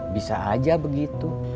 bisa aja begitu